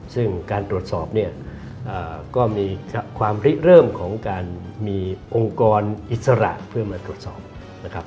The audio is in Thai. ซึ่งการตรวจสอบเนี่ยก็มีความริเริ่มของการมีองค์กรอิสระเพื่อมาตรวจสอบนะครับ